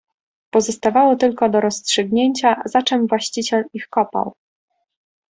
"Pozostawało tylko do rozstrzygnięcia, za czem właściciel ich kopał."